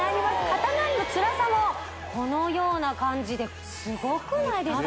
肩まわりのつらさもこのような感じですごくないですか？